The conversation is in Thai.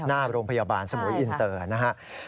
หน้าโรงพยาบาลสมุยอินเตอร์นะครับ